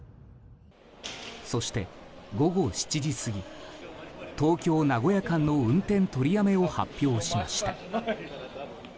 そして午後７時過ぎ東京名古屋間の運転取りやめを発表しました。